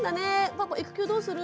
「パパ育休どうする？」